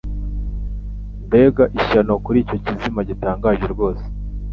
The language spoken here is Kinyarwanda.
Mbega ishyano kuri icyo kizima gitangaje rwose!